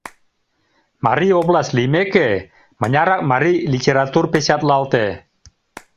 Марий область лиймеке, мынярак марий литератур печатлалте?